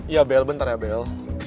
ya bel bentar ya bel